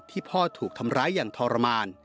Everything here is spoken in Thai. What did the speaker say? พ่อถูกทำร้ายอย่างทรมาน